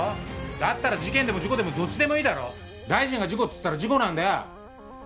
だったら事件でも事故でもどっちでもいいだろ大臣が事故つったら事故なんだよ！